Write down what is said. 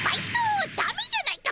だめじゃないか！